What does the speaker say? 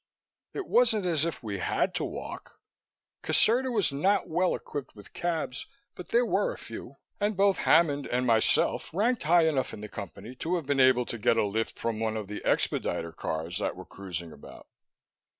It wasn't as if we had to walk. Caserta was not well equipped with cabs, but there were a few; and both Hammond and myself ranked high enough in the Company to have been able to get a lift from one of the expediter cars that were cruising about.